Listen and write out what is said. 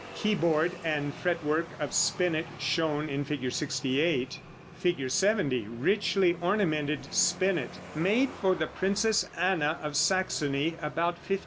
69. KEYBOARD AND FRET WORK OF SPINET SHOWN IN FIG. 68.] [Illustration: Fig. 70. RICHLY ORNAMENTED SPINET. (Made for the Princess Anna, of Saxony, about 1550.)